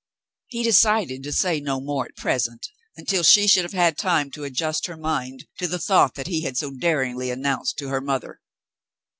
He decided to say no more at present until she should have had time to adjust her mind to the thought he had so daringly announced to her mother.